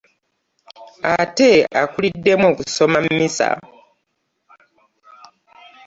Ate akuliddemu okusoma mmisa